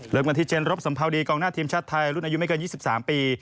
กันที่เจนรบสัมภาวดีกองหน้าทีมชาติไทยรุ่นอายุไม่เกิน๒๓ปี